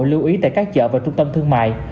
lưu ý tại các chợ và trung tâm thương mại